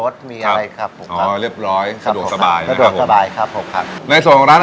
ซึ่ง